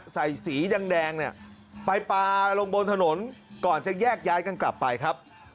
สีแดงเนี่ยไปปลาลงบนถนนก่อนจะแยกย้ายกันกลับไปครับ